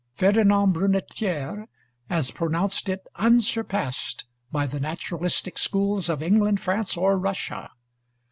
Ferdinand Brunetière has pronounced it unsurpassed by the naturalistic schools of England, France, or Russia.